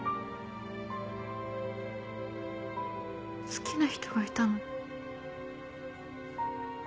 好きな人がいたの。